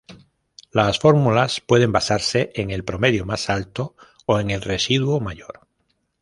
Las fórmulas pueden basarse en el "promedio más alto" o en el "residuo mayor".